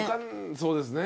そうですね。